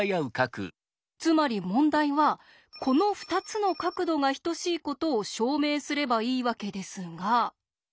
つまり問題はこの２つの角度が等しいことを証明すればいいわけですが。